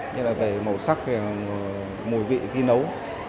như là về màu sắc mùi vị khi nấu